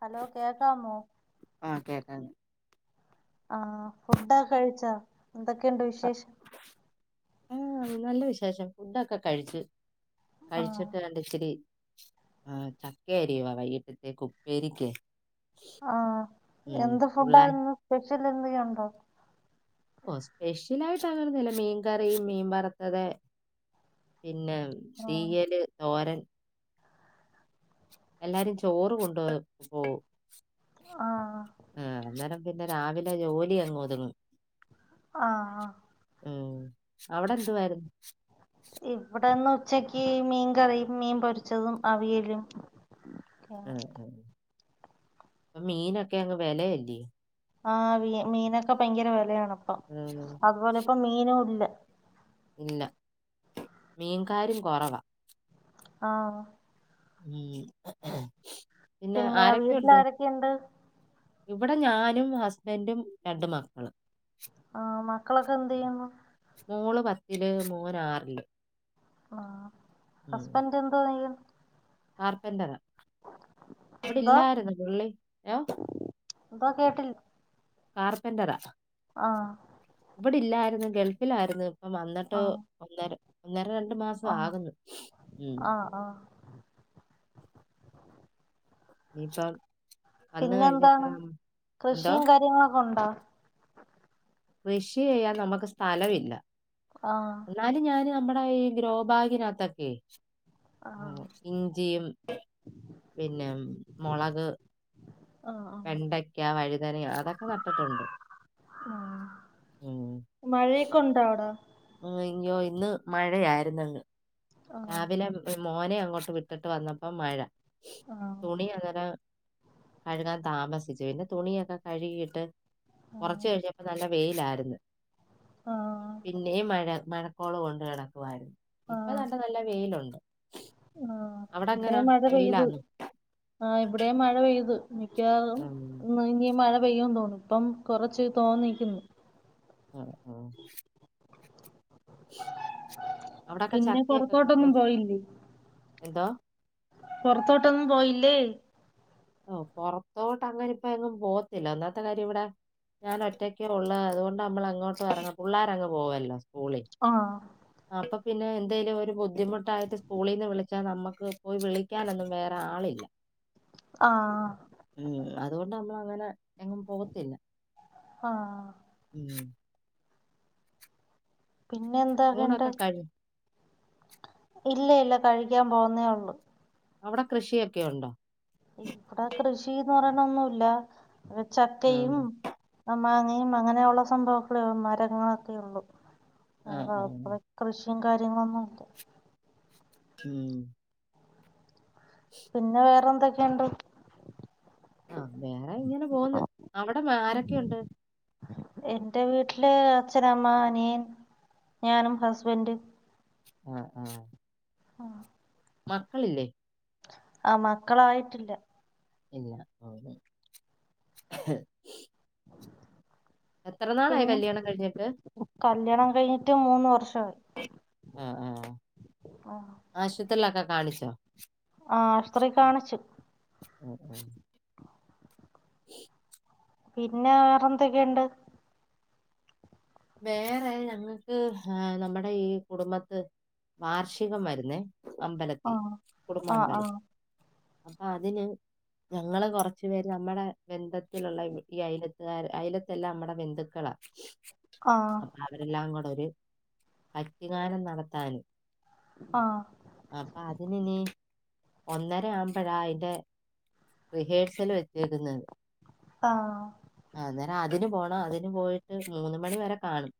Hello കേക്കാമോ ആ [unintelligible] ആഹ് ഫുഡാ കഴിച്ചാ എന്തൊക്കെയുണ്ട് വിശേഷം ആഹ് നല്ല വിശേഷം ഫുഡൊക്കെ കഴിച്ചു ആഹ് കഴിച്ചിട്ട് വണ്ട ഇച്ചരി ആ ചക്ക അരിവാ വൈകിട്ടത്തെക്ക് ഉപ്പേരിക്ക് ആഹ് ഉം എന്ത് പുള്ളാ ഫുഡായിരുന്നു സ്പെഷ്യൽ എന്ത് ഉണ്ടോ ഓഹ് സ്പെഷ്യൽ ആയിട്ട് അങ്ങനെ ഒന്നുംയില്ല മീൻ കറിയും മീൻ വറുത്തത് പിന്നെ ആഹ് തീയല് തോരൻ എല്ലാരും ചോറ് കൊണ്ട് പോവും ആഹ് ആഹ് അന്നേരം പിന്നെ രാവിലെ ജോലി അങ്ങ് ഒതുങ്ങും ആഹ് ഉം അവിടെ എന്തുവായിരുന്നു ഇവിടെന്ന് ഉച്ചക്ക് മീൻ കറി മീൻ പൊരിച്ചതും അവിയലും ഒക്കെയാണ് ആഹ് ആഹ് മീനൊക്കെ അങ്ങ് വിലല്ലേ ആഹ് മീനൊക്കെ ഭയങ്കര വിലയാണ്പ്പ ഉം അതുപോലെ ഇപ്പ മീന ഇല്ല ഇല്ല മീൻകാരും കുറവാ ആഹ് ഉം പിന്നെ ആരൊക്കെ ഉണ്ട് ഇവിടെ ഞാനും ഹസ്ബൻറും രണ്ട് മക്കള് ആഹ് മക്കളൊക്കെ എന്ത് ചെയ്യുന്നു മോള് പത്തില് മോൻ ആറില് ആഹ് ഹസ്ബൻഡറ് എന്തോ [unintelligible] കാർപ്പന്റർ അവിടെ എന്തോ ഇല്ലായിരുന്നു പുള്ളി [unintelligible] എന്താ കേട്ടില്ല കാർപ്പന്ററാ ആഹ് ഇവിടെല്ലായിരുന്നു ഗൾഫിലായിരുന്നു ഇപ്പം വന്നിട്ട് ആഹ് ഒന്നര ഒന്നര രണ്ട് ണ്ട് മാസം ആഹ് ആകുന്നു ഉം ആഹ് ആഹ് ഇനിയിപ്പം വന്ന് പിന്നെ എന്താണ് കഴിഞ്ഞപ്പം എന്തോ കൃഷിയും കാര്യങ്ങളൊക്കെ ഉണ്ടോ കൃഷി ചെയ്യാൻ നമുക്ക് സ്ഥലംല്ല ആഹ് എന്നല് ഞാന് നമ്മുടെ ഈ ഗ്രോബാഗിനകത്തൊക്കെയെ ആഹ് [inaudible] ഇഞ്ചിയും പിന്നെ മുളക് ആഹ് ആഹ് വെണ്ടയ്ക്ക വഴുതനയ അതൊക്കെ നട്ടിട്ടുണ്ട് ഉം. മഴയൊക്കെ ഉണ്ടാവട [unintelligible] ഇന്ന് മഴയായിരുന്നങ് ആഹ് രാവിലെ മോനെ അങ്ങോട്ട് വിട്ടിട്ട് വന്നപ്പോ മഴ ആഹ് തുണി അന്നേരം കഴുകാൻ താമസിച്ചു പിന്നെ തുണിയൊക്കെ കഴുകിയിട്ട് കുറച്ച് ആഹ് കഴിഞ്ഞപ്പോ നല്ല വെയിലായിരുന്നു ആഹ് പിന്നെയും മഴ മഴക്കോള് കൊണ്ട് കെടക്കുവാര്ന്ന് ഇപ്പൊ ആഹ് നല്ല നല്ല വെയിലുണ്ട്. ആഹ് അവിടെ ഇവിടെ എങ്ങനെ മഴ പെയ്ത് വെയിലാന്ന് ആഹ് ഇവടേം മഴ പെയ്ത്. മിക്കവാറും ഉം, ഇന്ന് ഇനി മഴ പെയ്യൂന്ന് തോന്നു ഇപ്പം കൊറച്ച് തോന്നിക്കുന്നു ഉം ഉം അവിടൊക്കെ പിന്നെ പൊറത്തോട്ടൊന്നും പോയില്ലേ എന്താ പൊർത്തോട്ടൊന്നും പോയില്ലേ. ഓ പൊറത്തോട്ട് അങ്ങന ഇപ്പ എങ്ങും പോത്തില്ല അന്നാത്തെ കാര്യം ഇവിടെ ഞാൻ ഒറ്റയ്ക്ക ഒള്ള അതുകൊണ്ട് നമ്മൾ അങ്ങോട്ട് ഇറങ്ങ പിള്ളോരങ്ങ് പോവല്ലോ? പോള ആഹ് ആ അപ്പ പിന്നെ എന്തേലും ഒരു ബുദ്ധിമുട്ടായിട്ട് സ്കൂളിൽന്ന് വിളിച്ചാൽ നമ്മുക്ക് പോയി വിളിക്കാനൊന്നും വേറെ ആളില്ല. ആഹ. ഉം അതുകൊണ്ട് നമ്മൾ അങ്ങനെ എങ്ങും പോകത്തില്ല. ആഹ. ഉം. പിന്നെ ഊണൊക്കെ എന്താകേണ്ടത്? കഴി ഇല്ല ഇല്ല കഴിക്കാൻ പോകുന്നേ ഒ ള്ളു. അവിടെ കൃഷിയൊക്കെ ഉണ്ടോ? ഇവിടൊ കൃഷിന്ന് പറയണ ഒന്നുല്ല ചക്കയും ആഹ് മാങ്ങയും അങ്ങനെയുള്ള സംഭവങ്ങള മരങ്ങളൊക്കെ ഉള്ളൂ ആഹ് അ ആഹ് കൃഷി കാര്യങ്ങളൊന്നും ഇല്ല ഉം പിന്നെ വേറെ എന്തൊക്കെയുണ്ട്? ആ വേറെ ഇങ്ങനെ പോന്ന് അവിടെ ആരൊക്കെയുണ്ട്? ട്ടില് അച്ഛനമ്മ അനിയൻ ഞാനും ഹസ്ബന്റ് ആഹ ആഹ ആഹ മക്കളില്ലേ? ആ മക്കളായിട്ടില്ല. ഇല്ല അ എത്ര നാളായി പിന്നെ കല്യാണം കഴിഞ്ഞിട്ട്? കല്യാണം കഴിഞ്ഞിട്ട് മൂന്ന് വർഷമായി ആ ആഹ ആ ആശുത്രിയിലൊക്കെ കാണിച്ചോ? ആ ശ്ത്രീ കാണിച് ഉം ഉം [unintelligible] പിന്നെ വേറെന്തൊക്കെയുണ്ട്? വേറെ ഞങ്ങൾക്ക് ആ നമ്മുടെ ഈ കുടുംബത്ത് വാർഷികം വരുന്നേ ആ അമ്പലത്തി ആ ആ കുടുംബമ്പലത്തി അപ്പ അതിന്? ഞങ്ങള് കൊറച്ചു പേര് നമ്മുടെ ബന്ധത്തിലുള്ള ഈ അയലത്തുകാർ അയലത്തെല്ലാം നമ്മുടെ ബന്ധുക്കളാ [inaudible] അപ്പ അവരെല്ലാം കൂടെ ഒരു പറ്റുകാനം നടത്താന് ആ അപ്പ അതിനിനി ഒന്നര ആമ്പഴാ അയിന്റെ റിഹേഴ്സൽ വെച്ചേക്കുന്നത്. ആഹ ആ അന്നേരം അതിന് പോണം അതിന് പോയിട്ട് മൂന്ന് മണി വരെ കാണും.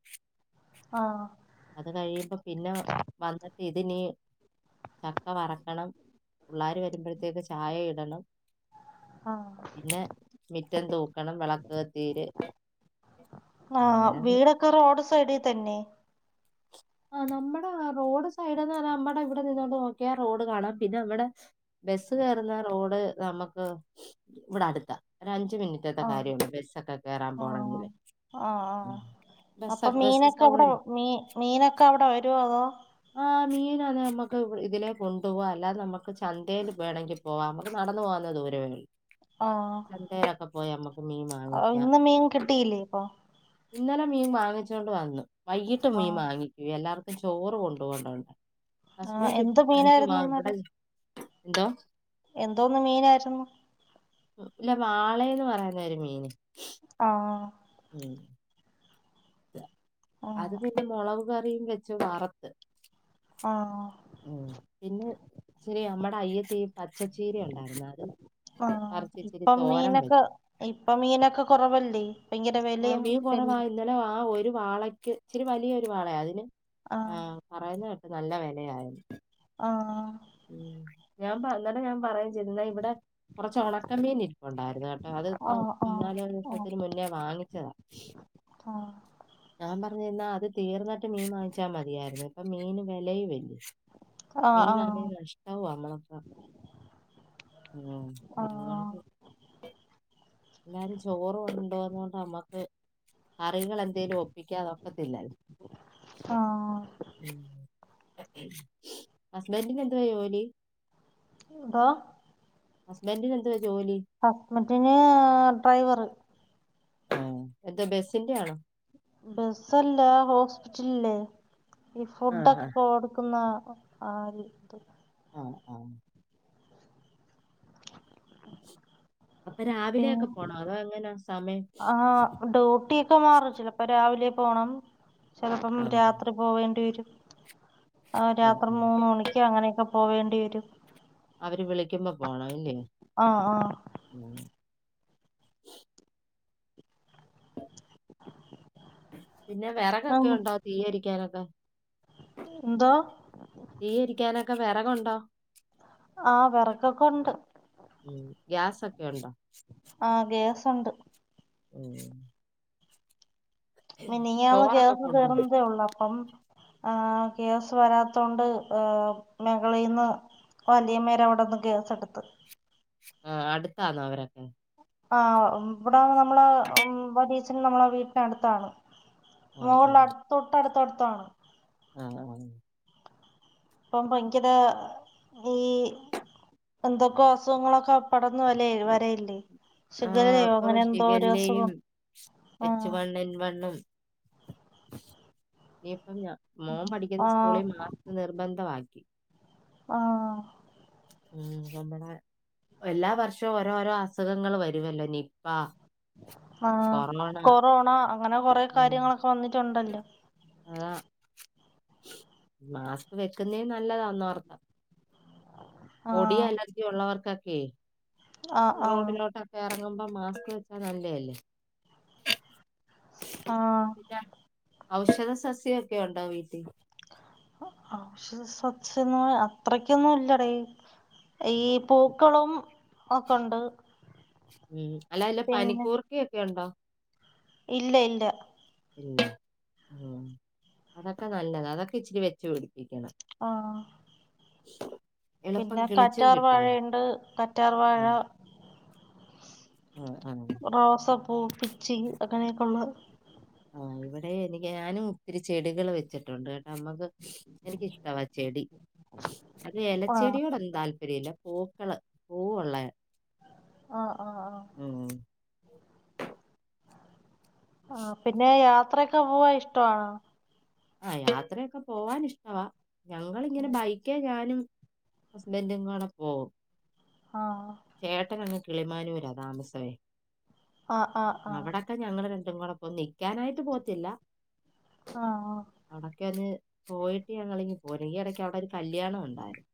ആ അത് കഴിയുമ്പോ പിന്നെ വന്നി ഇതിനീ ചക്ക വറക്കണം. പിള്ളാര് വരുമ്പോഴത്തേക്ക് ചായ ഇടണം. ആ പിന്നെ മിറ്റം തൂക്കണം വെള ആഹ അങ്ങനെ വീടൊക്കെ റോഡ് സൈഡി തന്നെ? ആ നമ്മുടെ റോഡ് സൈടെന്ന് പറഞ്ഞ നമ്മടെ ഇവിടെ നിന്നോണ്ട് നോക്കിയാ റോഡ് കാണാം പിന്നെ നമ്മടെ ബസ് കെറുന്ന റോഡ് നമക്ക് ഇവിടെ അടുത്താ ഒരഞ്ച് അൻജ് മിനിറ്റത്തെ ആഹ് കാര്യാഒള്ളൂ ബസ്സൊക്കെ കേറാൻ പോണങ്കില് ആ ആ അപ്പ മീനൊക്കെ അവിടെ സൗകര്യം മീ മീനൊക്കെ അവിടെ വരോ അതോ മീനാന്നേ നമക്ക് ഇതിലെ കൊണ്ടുവാ അല്ലാതെ നമക്ക് ചന്തെല് വേണങ്കി പോവാ നമക്ക് നടന്ന്പോവന്നതെ ഒ ദൂരവായി ചന്തേലെക്കെ പോയമ്മ അവ് ഇന്ന് മീൻ കിട്ടിയില്ലെ പൊ ഇന്നലെ മീൻ വാങ്ങിച്ചോണ്ട് വന്നു വൈകിട്ട് മീൻ ആഹ് വാങ്ങി എല്ലാർവക്കും ചോറ് കൊണ്ടോവണ്ടോണ്ട് ആഹ് ഹസ്ബന്റ്പ്പൊ എന്ത് പണിക്ക് പോവാ മീനായിരുന്നു ഇബടെ ഇന്നലെ [unintelligible] എന്തോ എന്തോന്ന് മീനാര്ന്നു ഉം ഇല്ല വാളേന്ന് പറഞൊരു മീന് ആഹ് ഉം അത് ആഹ് പിന്നെ മൊളക് കറിയും വെച്ചു വറത്ത് ആഹ് ഉം പിന്നെ ഇച്ചിരി അമ്മടെ അയ്യത്തി പച്ചച്ചീരയുണ്ടാര്ന്നു അത് ആഹ് പറിച്ച് ഇച്ചിരി ഇപ്പൊം തോരൻ മീനൊക്കെ വെച്ചു ഇപ്പൊം മീനൊക്കെ കൊറവല്ലേ? ആഹ് മീൻ കൊറവാ ഇന്നലെ ആഹ് ഒരു വാളക്ക് ഇച്ചിരി വലിയ ഒരു വാളയാ അതിന് ആഹ് പറയ്ന്ന കേട്ട് നല്ല വെലയായെന്ന് ആഹ് ഉം ഞാൻ പ ഇന്നലെ ഞാൻ പറയും ചെയ്ത് ഇന്നാ ഇവടെ കൊറച്ച് ഒണക്കമീൻ ഇര്പ്പ്ണ്ടാരുന്നു കെട്ടോ അത്പ്പൊ ആഹ് മൂന്നാല് ആഹ് ദിവസത്തിന് മുന്നെ വാങ്ങിച്ചതാ ആഹ്. ഞാൻ പറഞ്ഞ്ന്നാ അത് തീർന്നിട്ട് മീൻ വാങ്ങിച്ചാ മതിയാര്ന്ന് ഇപ്പൊ മീന് വെലയുവല്ലേ ആഹ് ആഹ് [unintelligible] അമ്മളൊക്ക ഹലോ ആഹ് അങ്ങാടിക്ക് എല്ലാരും ചോറ് കൊണ്ടോന്നോണ്ട് അമ്മക്ക് കറികളെന്തേലും ഒപ്പിക്കാതേ ഒക്കത്തില്ലാരുന്നു ആഹ് ഉം ഹസ്ബന്റിന് എന്തുവാ ജോലി എന്തോ ഹസ്ബന്റിന് എന്തുവാ ജോലി ഹസ്ബെന്റിന് ഡ്രൈവറ് ആഹ് എന്ത് ബസ്സിന്റെ ആണൊ ഉം ബസ്സല്ല ഹോസ്പിറ്റല്ല് ഈ ആഹ് ഫുഡൊക്കെ ആഹ് കൊട്ക്ക്ന്നാ ക്കൊ ആര് [unintelligible] ആഹ് ആഹ് അപ്പൊ പിന്നെ രാവിലെയൊക്കെ പോണോ അതോ എങ്ങനാ സമയം ആഹ് ഡ്യൂട്ടിയെക്കെ മാറും ചിലപ്പം രാവിലെ പോണം ചെലപ്പം ആഹ് രാത്രി പോവേണ്ടി വരും ആഹ് രാത്രി മൂന്ന് മണിക്കോ അങ്ങനെക്കെ പോവേണ്ടി വരും അവര് വിളിക്ക്യുമ്പൊ പോണം ഇല്ലെ ആ ആ ഉം പിന്നെ വെറകൊക്ക്യെ ഉം. ഉണ്ടോ തീയ്യരിയ്ക്ക്യാനൊക്കെ എന്തോ തീയ്യരിയ്ക്ക്യാനൊ ക്കെ വെറകുണ്ടോ ആഹ് വെറകൊക്ക ഉണ്ട് ഗ്യാസൊക്കെയുണ്ടൊ ആഹ് ഗ്യാസുണ്ട് ഉം മിനിയാന്ന് ചോറൊക്കെ ഗ്യാസ് കൊണ്ടോണോ തീർന്നതേയുള്ളു അപ്പം ആഹ് ഗ്യാസ് വരാത്തോണ്ട് ഏഹ് മെകളീന്ന് വല്ല്യമ്മേട അവ്ട്ന്ന് ഗ്യാസട്ത്ത് ആഹ് അടുത്താന്നൊ അവരൊക്കെ ആഹ് ഇവ്ട്ന്ന് നമ്മളാ ബീച്ച്ന്ന് നമ്മളെ വീട്ട്നടുത്താണ് ആഹ് ആഹ് മൊകളിലട് തൊട്ടട്ത്തട്ത്താണ് ആഹ് [unintelligible] ഇപ്പം ഭങ്കര ഈ- എന്തൊക്കെ അസുഖങ്ങളൊക്കെ പടർന്നുല്ലേ വരല്ലേ ആഹ് ഇപ്പൊ ഷിഗല്ലയും എച്ച് ആഹ് വണ് എൻ വണ്ണും ഇഞ്ഞിപ്പം ഞ മോൻ പഠിക്കുന്ന ആഹ് സ്കൂളിൽ മാസ്ക് നിർബന്ധമായി ആഹ്‌ മ് നമ്മടെ എല്ലാ വർഷവും ഓരോരോ അസുഖങ്ങൾ വരുവല്ലോ നിപ്പാ- ആഹ് കൊറോണ അങ്ങനെ കൊറെ ഉം, കാര്യങ്ങളൊക്കെ വന്നിട്ട് - ഒണ്ടല്ലോ അതാ മാസ്ക് വെക്കുന്നേ നല്ലതാ ഒന്ന് ഓർത്ത പൊടി ആഹ് അലർജി ഉള്ളവർക്കൊക്കെ ആഹ് ആഹ് റോഡിലോട്ടൊക്കെ- അതാവുമ്പോ മാസ്ക് വെച്ചാ നല്ലതല്ലേ ആഹ്‌ പിന്നെ ഔഷധ സസ്യക്കെഒണ്ടോ വീട്ടിൽ ഔഷധ സസ്യങ്ങൾ അത്രക്കൊന്നും ഇല്ലടി ഈ പൂക്കളും ഒക്കെ ഒണ്ട് അല്ലല്ല പനിക്കൂർകയൊക്കെണ്ടോ ഇല്ല ഇല്ല അതൊക്കെ നല്ലതാ അതൊക്കെ ഇച്ചിരി വെച്ച് പിടിപ്പിക്കണം ആഹ്‌ ശ് പിന്നെ കാറ്റാർവാഴയ്ണ്ട് കറ്റാർവാഴ ഉം, ആ, ആ. റോസപ്പൂ പിച്ചി അങ്ങനെയൊക്കെയുള്ളത് ആഹ് ഇവടെ എനിക്ക് ഞാനും ഒത്തിരി ചെടികള് വെച്ചിട്ടുണ്ട് കെ നമ്മക്ക് എനിക്കിഷ്ടവാ ചെടി അത് ആഹ് എലച്ചെടിയോടൊന്ന് താല്പര്യല്ല പൂക്കള് പൂവുള്ളെ അഹ് ആഹ് ആഹ് ആഹ് പിന്നെ യാത്രയൊക്കെ പോവാൻ ഇഷ്ട്ട്വാണോ ആഹ് യാത്രൊക്കെ പോവാൻ ഇഷ്ടവാ ഞങ്ങളിങ്ങനെ ബൈക്കേ ഞാനും ഹസ്ബൻഡും കൂടെ പോവും ആഹ്‌ ചേട്ടനങ് കിളിമാനൂരാ താമസേ അഹ് അഹ് അഹ് നിക്കാനായിട്ട് പോകത്തില്ല ആഹ് ആണ് പോയിട്ട് ഞങ്ങളിങ് പോരും ഈ യടക്ക് അവിടൊരു കല്യാണൂണ്ടായിരുന്നു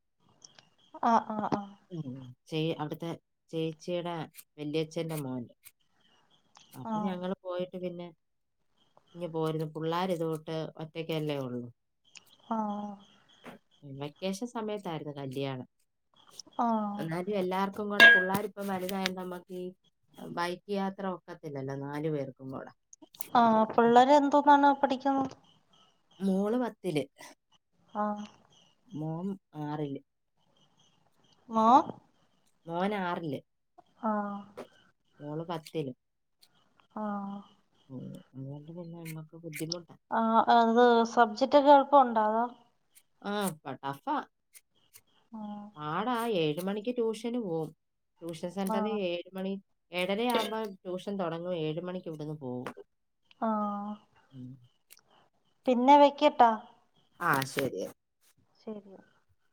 ആഹ് ആഹ് ആഹ് ഉം ചേ ട്ത്തെ ചേച്ചിയുടെ വല്യച്ഛന്റെ മോന്റെ അപ്പൊ ആഹ് ഞങ്ങള് പോയിട്ട് പിന്നെ ഇങ് പോരുന്നു പുള്ളാരൊക്കെ ഉട്ട് ഒറ്റക്കല്ലേ ഒള്ളു ആഹ് വെക്കേഷൻ സമയത്തായിരുന്നു കല്യാാണം ആഹ് എന്നാലും എല്ലാ പിള്ളാര്പ്പം വലുതായ നമ്മക്ക് ബൈക്ക് യാത്ര ഒക്കത്തില്ലല്ലോ നാലു പേർക്കും കൂടെ ആഹ് പുള്ളാരെന്തോന്നാണ് അ പഠിക്കുന്ന മോൾ പത്ത് ല് ആഹ് മോൻ ആറില് മോം മോൻ ആറ്ല് ആഹ്‌ മോള് പത്തില് ആഹ്‌ അതുകൊണ്ട് പിന്നെ നമ്മക്ക്. ആ അത് സബ്ജക്റ്റ് ഒക്കെ എൾപ്പൊണ്ടോ അതോ? ആഹ് പ ടഫ്ഫാ ആ പാടായെ ഴ്മണിക്ക് ട്യൂഷന് പോവും ട്യൂഷൻ ആ സെന്ററീ ഏഴ് മണി ഏഴരയാവുമ്പൊ ട്യൂഷൻ തൊടങ്ങും ഏഴ് മണിക്ക് ഇവ്ട്ന്ന് പോവും. ആ പിന്നെ വെക്കട്ടാ. ആഹ് ശരിയേ [unintelligible]